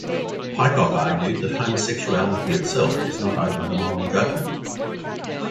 Peikoff argued that homosexuality itself is not open to moral judgment.